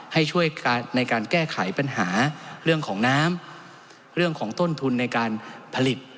ให้ช่วยในการแก้ไขปัญหาเรื่องของน้ำเรื่องของต้นทุนในการผลิต